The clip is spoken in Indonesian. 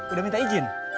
udah minta izin